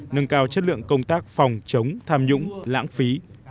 nâng cao chất lượng công tác phòng chống tham nhũng lãng phí